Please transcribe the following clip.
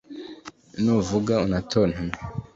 Nuvuga unatontome